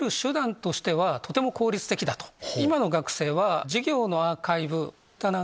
今の学生は。